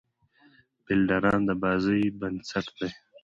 فیلډران د بازۍ بېنسټ دي.